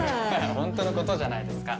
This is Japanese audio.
本当の事じゃないですか。